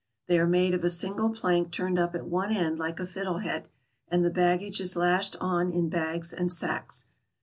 They are made of a single plank turned up at one end like a fiddle head, and the baggage is lashed on in bags and sacks.